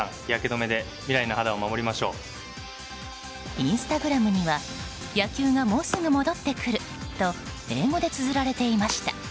インスタグラムには野球がもうすぐ戻ってくると英語でつづられていました。